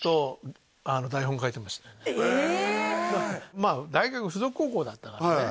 まあ大学附属高校だったからね